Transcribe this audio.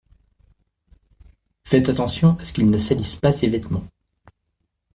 Faites attention à ce qu’il ne salisse pas ses vêtements.